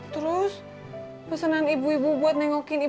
tuh digang ini nih